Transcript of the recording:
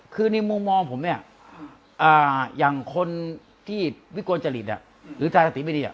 คือในมุมมองผมเนี่ยอย่างคนที่วิกลจริตหรือทายสติไม่ดี